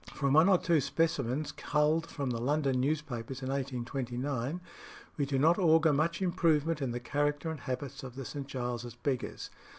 From one or two specimens culled from the London newspapers in 1829 we do not augur much improvement in the character and habits of the St. Giles's beggars.